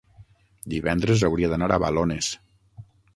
Divendres hauria d'anar a Balones.